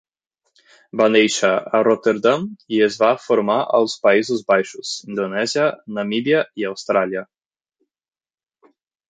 Va néixer a Rotterdam i es va formar als Països Baixos, Indonèsia, Namíbia i Austràlia.